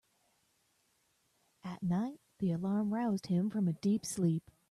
At night the alarm roused him from a deep sleep.